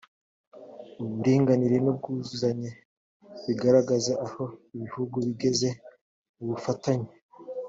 uburinganire n‘ubwuzuzanye bigaragaza aho ibihugu bigeze mu bufatanye